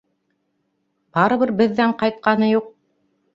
Барыбер беҙҙән ҡайтҡаны юҡ.